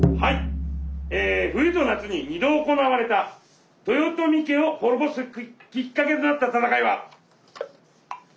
冬と夏に２度行われた豊臣家を滅ぼすきっかけとなった戦いは？